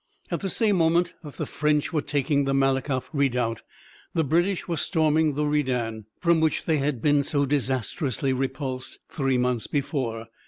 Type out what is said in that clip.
At the same moment that the French were taking the Malakoff redoubt, the British were storming the Redan, from which they had been so disastrously repulsed three months before.